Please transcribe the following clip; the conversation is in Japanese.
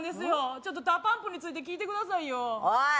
ちょっとＤＡＰＵＭＰについて聞いてくださいよおい